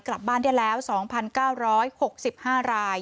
กลับบ้านได้แล้ว๒๙๖๕ราย